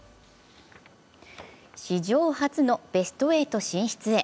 史上初のベスト８進出へ。